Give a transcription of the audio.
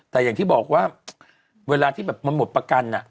แต่อย่างที่บอกว่าเวลาที่แบบมันหมดประกัน